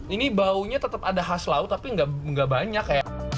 ini baunya tetap ada khas laut tapi nggak banyak ya